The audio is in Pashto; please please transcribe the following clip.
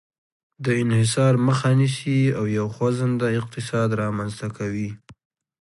د انحصار مخه نیسي او یو خوځنده اقتصاد رامنځته کوي.